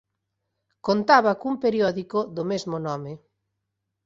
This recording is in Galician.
Contaba cun periódico do mesmo nome.